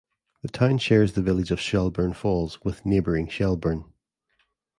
The town shares the village of Shelburne Falls with neighboring Shelburne.